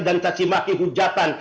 dan cacimaki hujatan